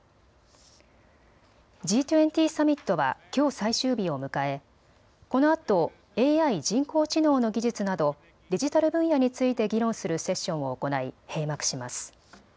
Ｇ２０サミットはきょう最終日を迎え、このあとＡＩ・人工知能の技術などデジタル分野について議論するセッションを行い閉幕します。